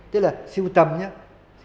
tức là siêu tầm nhé